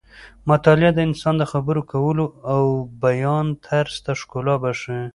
مطالعه د انسان د خبرو کولو او بیان طرز ته ښکلا بښي.